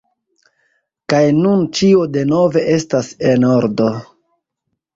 kaj nun ĉio denove estas en ordo: